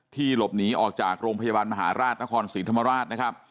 หลบหนีออกจากโรงพยาบาลมหาราชนครศรีธรรมราชนะครับ